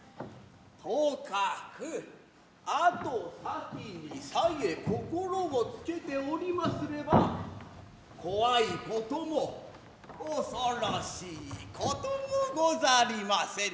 とかく後先にさえ心を付けておりますれば怖いことも恐ろしいこともござりませぬ。